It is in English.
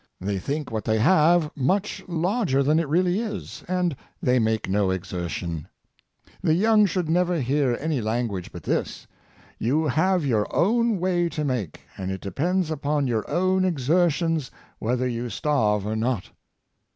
They think what thc}^ have much larger than it really is; and they make no exertion. The young should never hear any language but this i ' You have your own way to 362 Effects of Practical Industry, make, and it depends upon your own exertions whether you starve or not.'